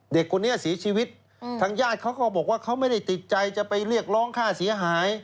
เด็กคนนี้เสียชีวิตทางญาติเขาก็บอกว่าเขาไม่ได้ติดใจจะไปเรียกร้องค่าเสียหาย